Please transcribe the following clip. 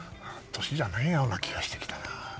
年じゃないような気がしてきたな。